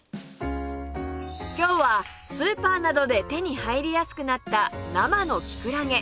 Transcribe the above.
今日はスーパーなどで手に入りやすくなった生のきくらげ